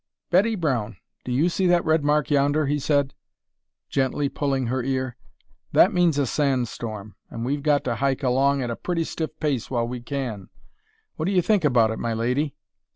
"Betty Brown, do you see that red mark yonder?" he said, gently pulling her ear. "That means a sand storm, and we've got to hike along at a pretty stiff pace while we can. What do you think about it, my lady?"